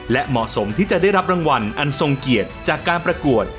และเหมาะสมที่จะได้รับรางวัลอันทรงเกียรติจากการประกวด